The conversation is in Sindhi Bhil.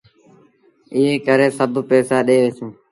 ايٚئيٚن ڪري سڀ پئيسآ ڏي وهيٚسون۔